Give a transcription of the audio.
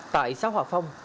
tại xã hòa phong